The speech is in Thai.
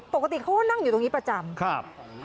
ปกติเขานั่งอยู่ตรงนี้ประจำ